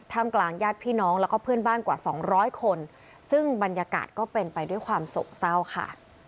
ถ้ามกลางยาดพี่น้องและเพื่อนบ้านกว่า๒๐๐คนซึ่งบรรยากาศก็เป็นไปด้วยความสกเศร้าค่ะ